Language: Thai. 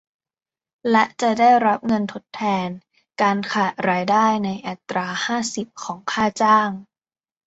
และจะได้รับเงินทดแทนการขาดรายได้ในอัตรา ห้าสิบ ของค่าจ้าง